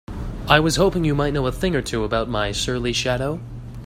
I was hoping you might know a thing or two about my surly shadow?